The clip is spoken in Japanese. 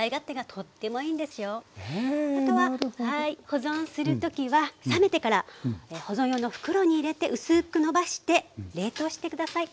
保存する時は冷めてから保存用の袋に入れて薄くのばして冷凍して下さい。